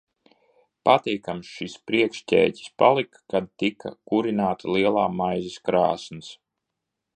Patīkams šis priekšķēķis palika, kad tika kurināta lielā maizes krāsns.